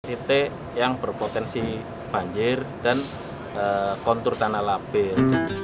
titik yang berpotensi banjir dan kontur tanah lapir